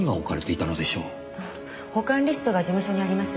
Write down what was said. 保管リストが事務所にあります。